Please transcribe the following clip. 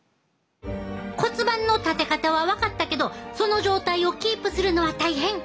骨盤の立て方は分かったけどその状態をキープするのは大変！